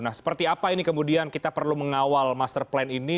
nah seperti apa ini kemudian kita perlu mengawal master plan ini